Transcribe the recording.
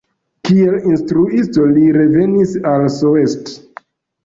Kiel instruisto li revenis al Soest.